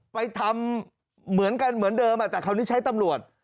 ไปทำเหมือนกันเหมือนเดิมแต่คราวนี้ใช้ตำรวจ